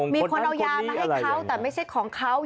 มีคนเอายามาให้เขาแต่ไม่ใช่ของเขา